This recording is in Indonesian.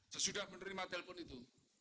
sesudah menerima telepon itu